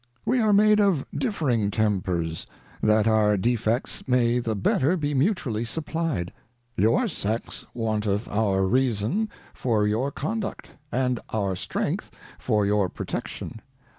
We are made of differing Tempers, that our Defects may the better be mutually supplied : Your Sex wanteth our Reason for your Conduct, and our Strength for your Protection